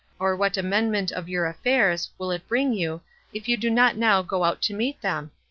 or what amendment of your affairs will it bring you, if you do not now go out to meet them?